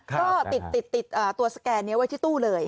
ก็ติดตัวสแกนนี้ไว้ที่ตู้เลย